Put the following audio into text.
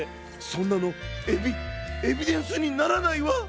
そんなのエビエビデンスにならないわ！